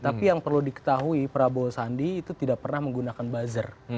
tapi yang perlu diketahui prabowo sandi itu tidak pernah menggunakan buzzer